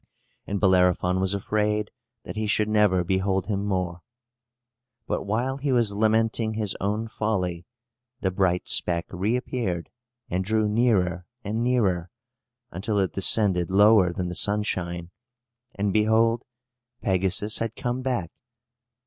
And Bellerophon was afraid that he should never behold him more. But, while he was lamenting his own folly, the bright speck reappeared, and drew nearer and nearer, until it descended lower than the sunshine; and, behold, Pegasus had come back!